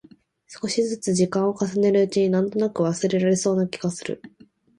少しづつ時間を重ねるうちに、なんとなく忘れられそうな気がする。